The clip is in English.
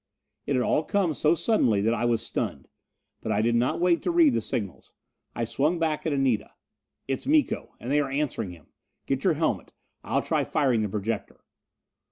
It had all come so suddenly that I was stunned. But I did not wait to read the signals. I swung back at Anita. "It's Miko! And they are answering him! Get your helmet; I'll try firing the projector."